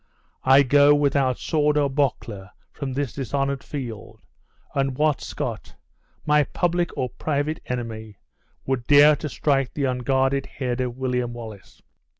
I go without sword or buckler from this dishonored field, and what Scot, my public or private enemy, will dare to strike the unguarded head of William Wallace?"